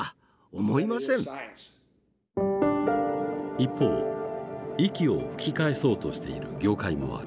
一方息を吹き返そうとしている業界もある。